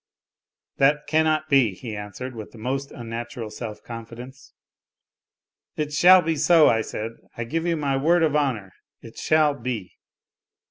That cannot be," he answered, with the most unnatural self confidence. " It shall be so," I said, " I give you my word of honour, it shaU be